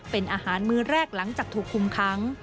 เป็นอาหารมือแรกหลังจากถูกคุมค้าง